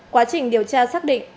quá trình điều tra xác định